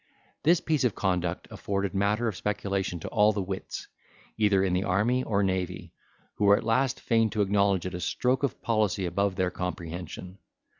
This piece of conduct afforded matter of speculation to all the wits, either in the army or navy, who were at last fain to acknowledge it a stroke of policy above their comprehension.